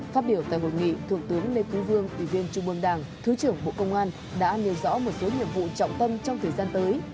phát biểu tại hội nghị thượng tướng lê quý vương ủy viên trung ương đảng thứ trưởng bộ công an đã nêu rõ một số nhiệm vụ trọng tâm trong thời gian tới